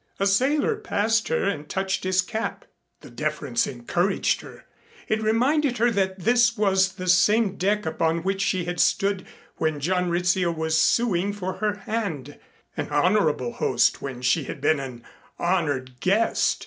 A sailor passed her and touched his cap. The deference encouraged her. It reminded her that this was the same deck upon which she had stood when John Rizzio was suing for her hand, an honorable host when she had been an honored guest.